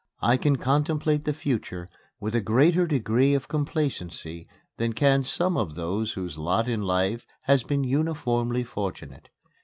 I can contemplate the future with a greater degree of complacency than can some of those whose lot in life has been uniformly fortunate.